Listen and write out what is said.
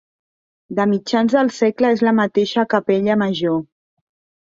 De mitjans del segle és la mateixa Capella Major.